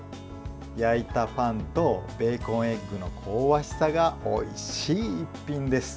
焼いたパンとベーコンエッグの香ばしさがおいしい一品です。